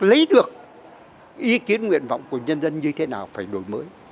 lấy được ý kiến nguyện vọng của nhân dân như thế nào phải đổi mới